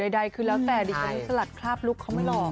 ใดคือแล้วแต่ลุคก็ไม่หล่อ